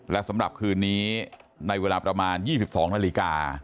และสำหรับคืนนี้ในเวลาประมาณ๒๒นาฬิกา